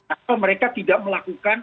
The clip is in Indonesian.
atau mereka tidak melakukan